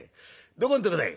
どこんとこだい？」。